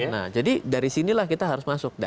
nah jadi dari sinilah kita harus masuk